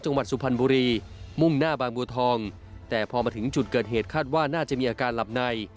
สุพรรณบุรีมุ่งหน้าบางบัวทองแต่พอมาถึงจุดเกิดเหตุคาดว่าน่าจะมีอาการหลับใน